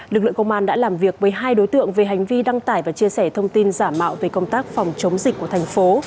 lực lượng công an đã làm việc với hai đối tượng về hành vi đăng tải và chia sẻ thông tin giả mạo về công tác phòng chống dịch của thành phố